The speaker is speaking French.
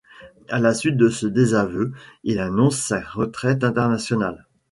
À la suite de ce désaveu, il annonce sa retraite internationale.